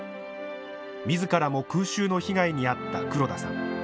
みずからも空襲の被害に遭った黒田さん。